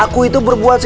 aku itu berbuat amal